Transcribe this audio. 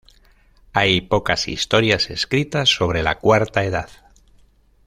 Hay pocas historias escritas sobre la Cuarta Edad.